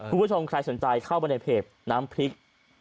คุณผู้ชมใครสนใจเข้าไปในเพจน้ำพริก